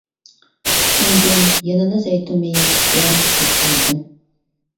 ئۇندىن يەنىلا زەيتۇن مېيى ياخشىكەن دەپ قارىدىم.